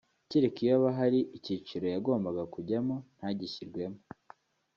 cyereka iyo haba hari icyiciro yagombaga kujyamo ntagishyirwemo